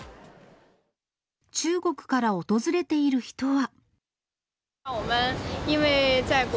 中国から訪れている人は。